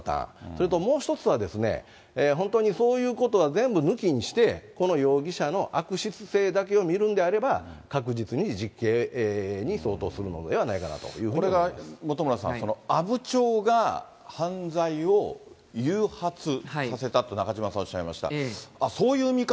それともう１つは、本当にそういうことは全部抜きにして、この容疑者の悪質性だけを見るんであれば、確実に実刑に相当するのではこれが本村さん、阿武町が犯罪を誘発させたって、中島さん、おっしゃいました。